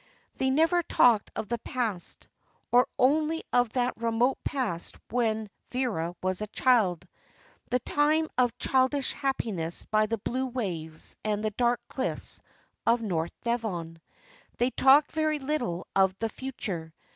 They never talked of the past, or only of that remote past when Vera was a child, the time of childish happiness by the blue waves and dark cliffs of North Devon. They talked very little of the future.